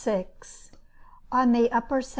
ON THE UPPER ST.